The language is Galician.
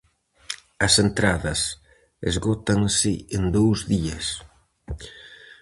As entradas esgótanse en dous días.